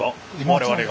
我々が。